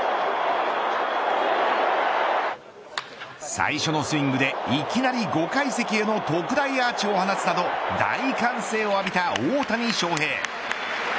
最初のスイングでいきなり５階席への特大アーチを放つなど大歓声を浴びた大谷翔平。